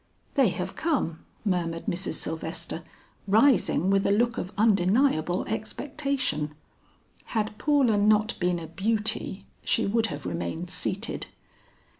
"They have come," murmured Mrs. Sylvester rising with a look of undeniable expectation. Had Paula not been a beauty she would have remained seated.